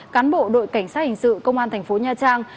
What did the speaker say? cán bộ đội cảnh sát hình sự công an thành phố nha trang